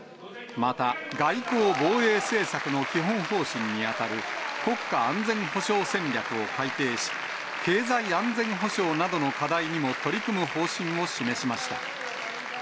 また、外交・防衛政策の基本方針に当たる国家安全保障戦略を改定し、経済安全保障などの課題にも取り組む方針を示しました。